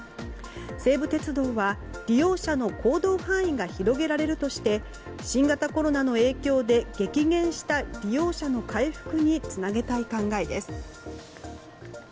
西武鉄道は利用者の行動範囲が広げられるとして新型コロナの影響で激減した利用者の回復につなげたい考えです。